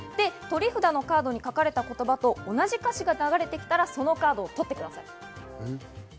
取り札のカードに書かれた言葉と同じ歌詞が流れてきたら、そのカードを取ってください。